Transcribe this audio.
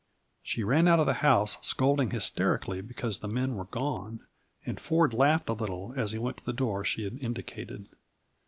She ran out of the house, scolding hysterically because the men were gone, and Ford laughed a little as he went to the door she had indicated.